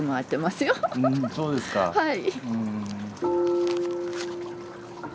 はい。